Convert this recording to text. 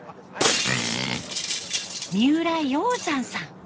三浦耀山さん。